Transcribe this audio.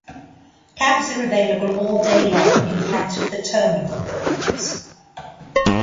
Cabs are available all day long in front of the terminal buildings.